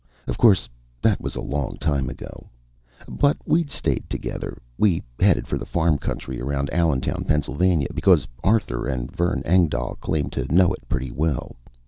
Of course, that was a long time ago. But we'd stayed together. We headed for the farm country around Allentown, Pennsylvania, because Arthur and Vern Engdahl claimed to know it pretty well.